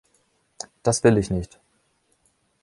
Das will ich nicht.